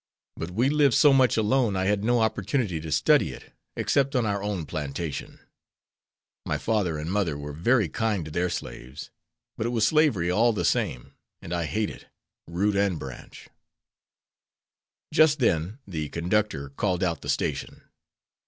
But we lived so much alone I had no opportunity to study it, except on our own plantation. My father and mother were very kind to their slaves. But it was slavery, all the same, and I hate it, root and branch." Just then the conductor called out the station.